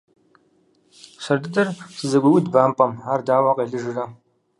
Сэр дыдэр сызэгуеуд бампӏэм, ар дауэ къелыжрэ.